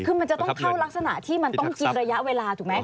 คือมันจะต้องเข้ารักษณะที่มันต้องกินระยะเวลาถูกไหม